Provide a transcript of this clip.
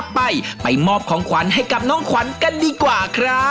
พี่ลิงค์ถามเลยค่ะ